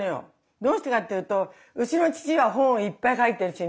どうしてかっていうとうちの父が本をいっぱい書いてるしね。